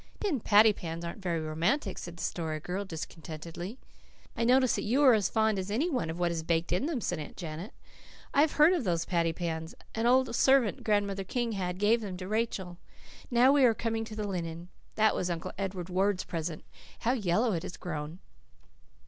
"Tin patty pans aren't very romantic," said the Story Girl discontentedly. "I notice that you are as fond as any one of what is baked in them," said Aunt Janet. "I've heard of those patty pans. An old servant Grandmother King had gave them to Rachel. Now we are coming to the linen. That was Uncle Edward Ward's present. How yellow it has grown."